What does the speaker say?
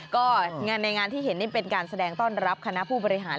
ก็งานในงานที่เห็นนี่เป็นการแสดงต้อนรับคณะผู้บริหาร